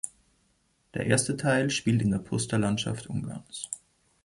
Der erste Teil spielt in der Puszta-Landschaft Ungarns.